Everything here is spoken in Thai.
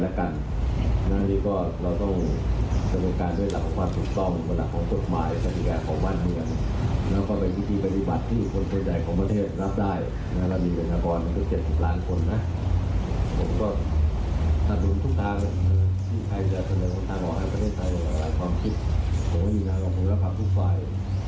และก็จะช่วยด้วย